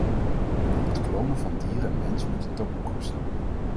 Op het klonen van dier en mens moet een taboe rusten.